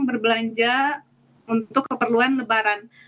berbelanja untuk keperluan lebaran